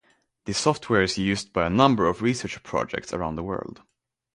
The software is used by a number of research projects around the world.